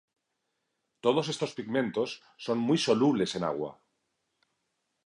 Todos estos pigmentos son muy solubles en agua.